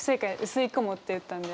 薄い雲って言ったんで。